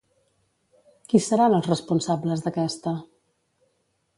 Qui seran els responsables d'aquesta?